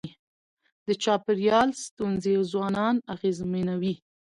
د چاپېریال ستونزي ځوانان اغېزمنوي.